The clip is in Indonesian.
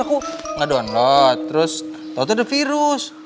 aku ngedownload terus tautan ada virus